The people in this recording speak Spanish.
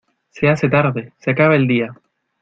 Se hace tarde, se acaba el día.